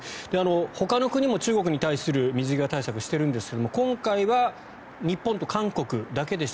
ほかの国も中国に対する水際対策をしてるんですけども今回は日本と韓国だけでした。